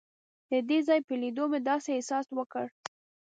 د دې ځای په لیدو مې داسې احساس وکړ.